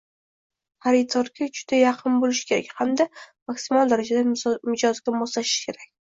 xaridorga juda yaqin bo‘lish kerak hamda maksimal darajada mijozga moslashish kerak.